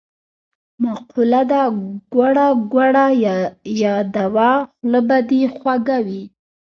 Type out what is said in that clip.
مقوله ده: ګوړه ګوړه یاده وه خوله به دی خوږه وي.